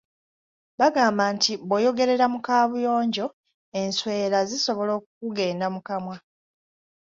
Bagamba nti bw’oyogerera mu kaabuyonjo, enswera zisobola okukugenda mu kamwa.